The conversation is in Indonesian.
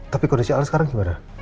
tapi kondisi alan sekarang gimana